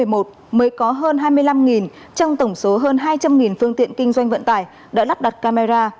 mới có hơn hai mươi năm trong tổng số hơn hai trăm linh phương tiện kinh doanh vận tải đã lắp đặt camera